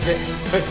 はい。